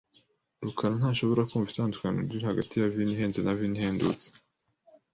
rukarantashobora kumva itandukaniro riri hagati ya vino ihenze na vino ihendutse.